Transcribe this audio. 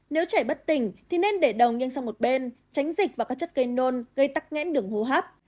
nếu trẻ bất tỉnh thì nên để đầu nhân sang một bên tránh dịch vào các chất cây nôn gây tắc nghẽn đường hô hấp